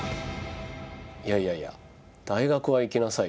「いやいやいや大学は行きなさいよ」。